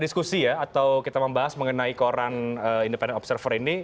diskusi ya atau kita membahas mengenai koran independent observer ini